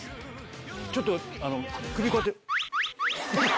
ちょっと首こうやって。